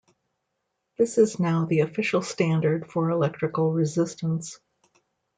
This is now the official standard for electrical resistance.